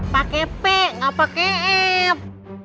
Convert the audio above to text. pake p gak pake f